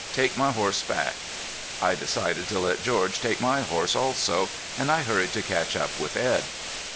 Take my horse back." I decided to let George take my horse also, and I hurried to catch up with Edd.